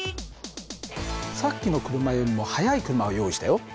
さっきの車よりも速い車を用意したよ。